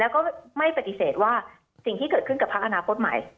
แล้วก็ไม่ปฏิเสธว่าสิ่งที่เกิดขึ้นกับพักอนาคตใหม่